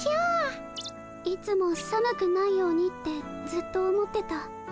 いつもさむくないようにってずっと思ってた。